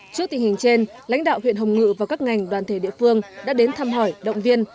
trước tình hình trên lãnh đạo huyện hồng ngự và các ngành đoàn thể địa phương đã đến thăm hỏi động viên